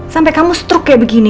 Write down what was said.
sampai kamu stroke kayak begini